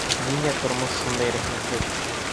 Ниңә тормош шундай рәхимһеҙ?..